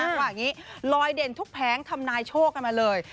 ว่าอย่างนี้ลอยเด่นทุกแผงทำนายโชคกันมาเลย